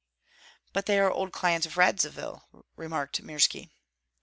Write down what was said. "But they are old clients of Radzivill," remarked Mirski.